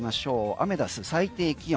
アメダス最低気温。